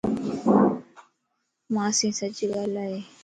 مانسين سچ ڳالھائي